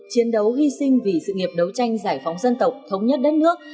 chiến đấu hy sinh vì sự nghiệp đấu tranh giải phóng dân tộc thống nhất đất nước